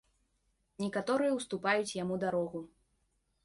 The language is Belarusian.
Некаторыя ўступаюць яму дарогу.